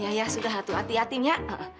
ya ya sudah hati hati ya